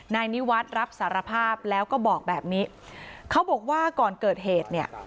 นิวัฒน์รับสารภาพแล้วก็บอกแบบนี้เขาบอกว่าก่อนเกิดเหตุเนี่ย